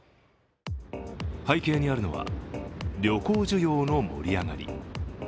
背景にあるのは、旅行需要の盛り上がり。